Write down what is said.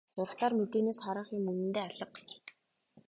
Зурагтаар мэдээнээс харах юм үнэндээ алга.